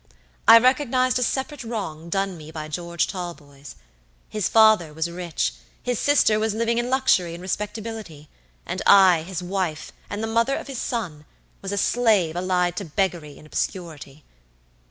I recognized a separate wrong done me by George Talboys. His father was rich, his sister was living in luxury and respectability, and I, his wife, and the mother of his son, was a slave allied to beggary and obscurity.